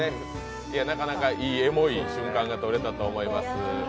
なかなかエモい瞬間が撮れたと思います。